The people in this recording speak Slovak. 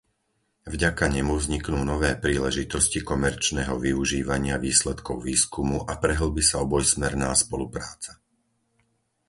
Vďaka nemu vzniknú nové príležitosti komerčného využívania výsledkov výskumu a prehĺbi sa obojsmerná spolupráca.